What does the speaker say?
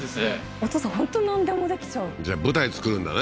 お父さん本当なんでもできちゃうじゃあ舞台造るんだね